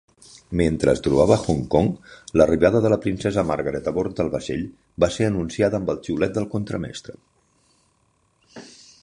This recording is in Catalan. Mentre es trobava a Hong Kong, l'arribada de la princesa Margaret a bord del vaixell va ser anunciada amb el xiulet del contramestre.